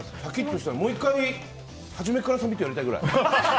もう１回初めからサミットやりたいくらい。